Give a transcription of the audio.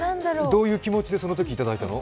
どういう気持ちでそのときいただいたの？